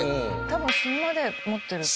多分死ぬまで持ってる。